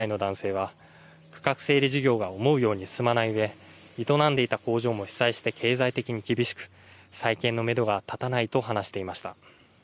その１人の７０代の男性は区画整理事業が思うように進まないうえ営んでいた工場も被災して経済的に厳しく再建のめどが立たないと話していました。